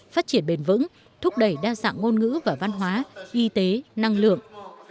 phát triển bền vững thúc đẩy đa dạng ngôn ngữ và văn hóa y tế năng lượng